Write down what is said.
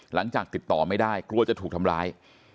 หลังจากติดต่อไม่ได้กลัวจะถูกทำร้าย